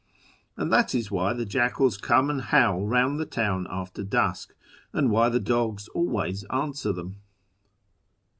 And that is why the jackals come and howl round the town after dusk, and why the dogs always answer them."